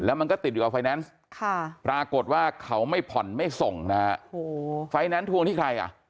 มันก็ติดอยู่กับไฟแนนซ์ปรากฏว่าเขาไม่ผ่อนไม่ส่งนะฮะไฟแนนซ์ทวงที่ใครอ่ะ